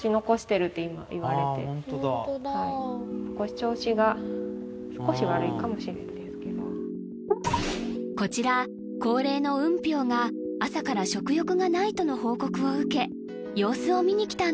調子が少し悪いかもしれんですけどこちら高齢のウンピョウが朝から食欲がないとの報告を受け様子を見に来たんです